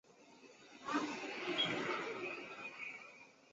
赖歇瑙被葬于柏林荣军公墓。